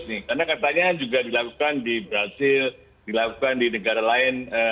karena katanya juga dilakukan di brazil dilakukan di negara lain